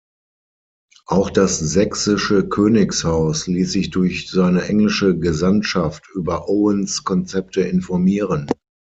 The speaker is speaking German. Auch das sächsische Königshaus ließ sich durch seine englische Gesandtschaft über Owens Konzepte informieren.